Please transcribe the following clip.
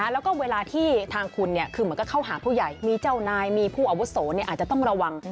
แล้วก็เวลาที่ทางคุณคือเหมือนกับเข้าหาผู้ใหญ่มีเจ้านายมีผู้อาวุโสอาจจะต้องระวัง